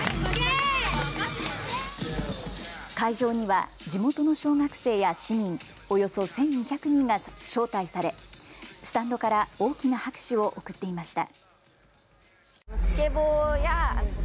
会場には地元の小学生や市民、およそ１２００人が招待されスタンドから大きな拍手を送っていました。